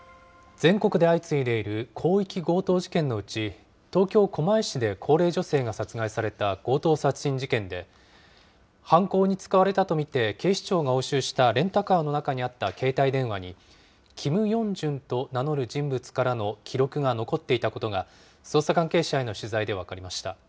全国で相次いでいる広域強盗事件のうち、東京・狛江市で高齢女性が殺害された強盗殺人事件で、犯行に使われたと見て警視庁が押収したレンタカーの中にあった携帯電話に、キム・ヨンジュンと名乗る人物からの記録が残っていたことが、捜査関係者への取材で分かりました。